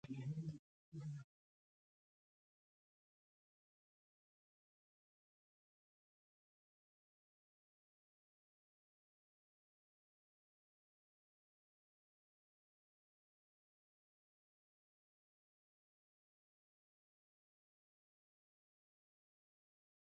ځوانانو ته پکار ده چې، کرنه پرمختګ ورکړي.